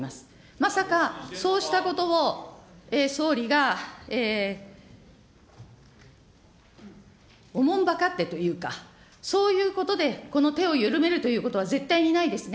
まさかそうしたことを総理がおもんばかってというか、そういうことでこの手を緩めるということは絶対にないですね。